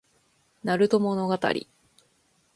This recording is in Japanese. なると物語